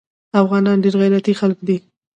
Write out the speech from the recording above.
افغانان ډیر غیرتي خلک دي